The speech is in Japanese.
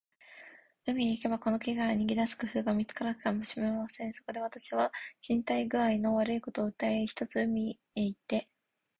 海へ行けば、この国から逃げ出す工夫が見つかるかもしれません。そこで、私は身体工合の悪いことを訴えて、ひとつ海岸へ行って